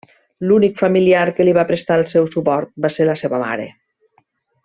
L'únic familiar que li va prestar el seu suport va ser la seva mare.